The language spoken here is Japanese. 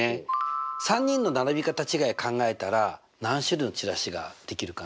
３人の並び方違いを考えたら何種類のチラシができるかな？